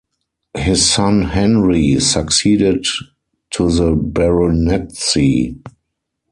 His son Henry succeeded to the baronetcy.